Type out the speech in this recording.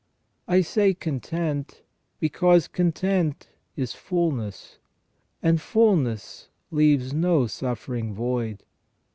I say content, because content is fulness, and fulness leaves no suffering void.